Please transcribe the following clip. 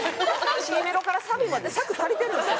Ｃメロからサビまで尺足りてるんですか？